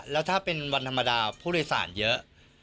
แล้วถ้าเป็นวันธรรมดาผู้โดยสารเยอะ